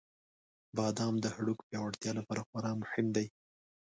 • بادام د هډوکو پیاوړتیا لپاره خورا مهم دی.